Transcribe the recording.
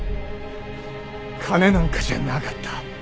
金なんかじゃなかった。